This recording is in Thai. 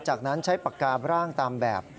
จากนั้นใช้ปากการ่างตามแบบ